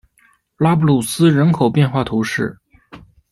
拉布鲁斯人口变化图示